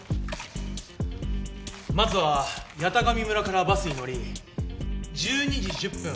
まずは八咫神村からバスに乗り１２時１０分